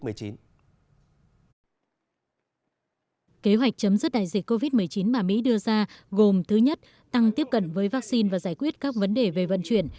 kế hoạch chấm dứt đại dịch covid một mươi chín mà mỹ đưa ra gồm thứ nhất tăng tiếp cận với vaccine và giải quyết các vấn đề về vận chuyển